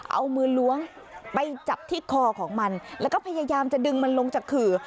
เอามือล้วงไปจับที่คอของมันแล้วก็พยายามจะดึงมันลงจากขื่อ